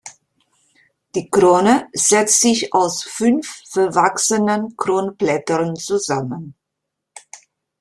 Die Krone setzt sich aus fünf verwachsenen Kronblättern zusammen.